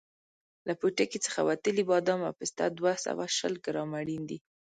له پوټکي څخه وتلي بادام او پسته دوه سوه شل ګرامه اړین دي.